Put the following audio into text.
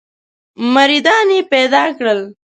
مریدان یې پیدا کړل.